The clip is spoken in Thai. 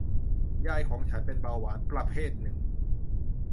ยายของฉันเป็นเบาหวานประเภทหนึ่ง